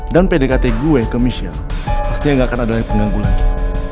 dan pdkt gue ke michelle pastinya gak akan ada lagi pengganggu lagi